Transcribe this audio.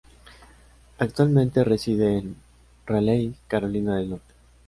Actualmente reside en Raleigh, Carolina del Norte